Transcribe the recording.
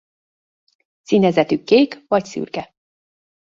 Színezetük kék vagy szürke.